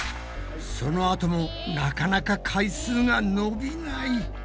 そのあともなかなか回数が伸びない。